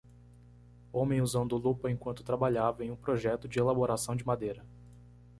Homem usando lupa enquanto trabalhava em um projeto de elaboração de madeira.